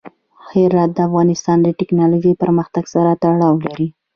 هرات د افغانستان د تکنالوژۍ پرمختګ سره تړاو لري.